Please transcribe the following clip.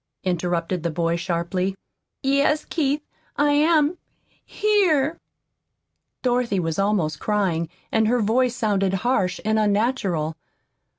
interrupted the boy sharply. "Yes, Keith I am here." Dorothy was almost crying, and her voice sounded harsh and unnatural.